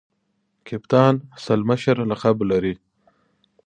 کپتان سل مشر لقب لري.